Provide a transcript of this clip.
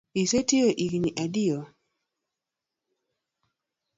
Ise tiyo igni adiwa?